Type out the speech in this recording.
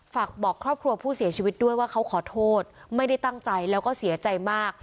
ฝากบอกครอบครัวผู้เสียชีวิตด้วยว่าเขาขอโทษไม่ได้ตั้งใจแล้วก็เสียใจมาก